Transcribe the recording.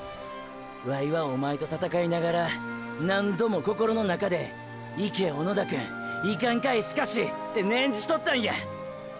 ワイはおまえと闘いながら何度も心の中で「行け小野田くん」「行かんかいスカシ」って念じとったんや！！